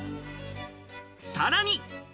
さらに。